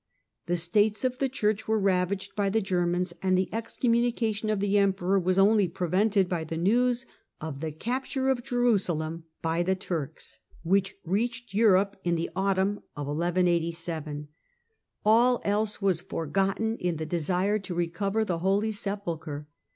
The States of the Church were ravaged by the Germans, and the excommunication of the Emperor was only prevented by the news of the capture of Jerusalem by the Turks (see Chap. XIV.), which reached Europe in the autumn of 1187. All else was forgotten in the desire The Third to rccovcr the Holy Sepulchre.